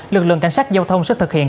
lực lượng cảnh sát giao thông sẽ thực hiện